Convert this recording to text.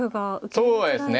そうですね。